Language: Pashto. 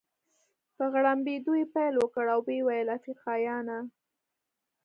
په غړمبېدو يې پیل وکړ او ويې ویل: افریقانا.